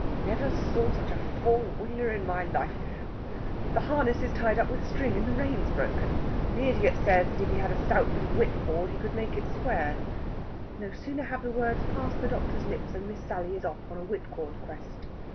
"Never saw such a four wheeler in my life! The harness is tied up with string, and the rein's broken. The idiot says if he had a stout bit of whipcord, he could make it square." No sooner have the words passed the doctor's lips than Miss Sally is off on a whipcord quest.